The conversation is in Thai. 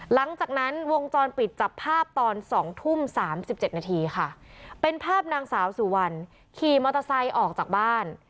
หลังจากนั้นวงจรปิดจับภาพตอน๒ทุ่ม๓๗นาทีค่ะเป็นภาพนางสาวสุวรรณขี่มอเตอร์ไซค์ออกจากบ้าน